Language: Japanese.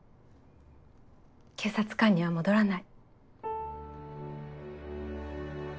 警察官には戻らない。